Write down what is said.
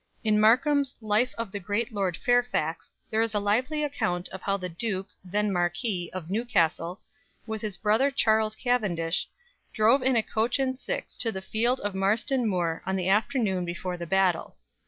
In Markham's "Life of the Great Lord Fairfax" there is a lively account of how the Duke, then Marquis, of Newcastle, with his brother Charles Cavendish, drove in a coach and six to the field of Marston Moor on the afternoon before the battle.